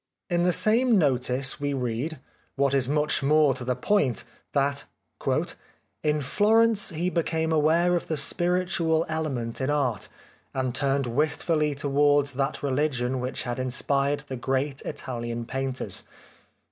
In the same notice we read, what is much more to the point, that " In Florence he became aware of the spiritual element in art, and turned wistfully towards that religion which had in spired the great Italian painters.